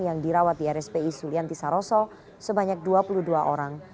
yang dirawat di rspi sulianti saroso sebanyak dua puluh dua orang